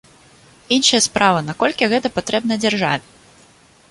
Іншая справа, наколькі гэта патрэбна дзяржаве.